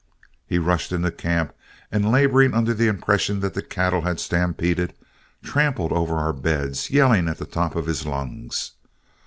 He rushed into camp, and laboring under the impression that the cattle had stampeded, trampled over our beds, yelling at the top of his lungs.